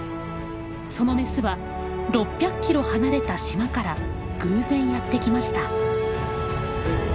そのメスは６００キロ離れた島から偶然やって来ました。